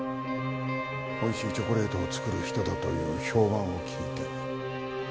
美味しいチョコレートを作る人だという評判を聞いて。